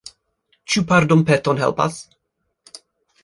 Ĉu pardonpeton helpas?